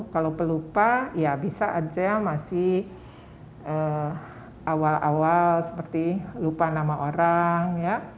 kalau pelupa bisa saja masih awal awal seperti lupa nama orang